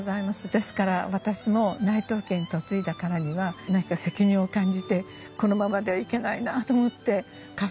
ですから私も内藤家に嫁いだからには何か責任を感じてこのままではいけないなあと思ってカフェにいたしました。